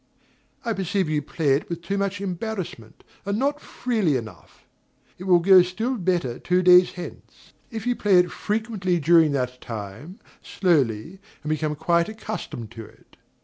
I perceive you play it with too much embarrassment, and not freely enough. It will go still better two days hence, if you play it frequently during that time, slowly, and become quite accustomed to it.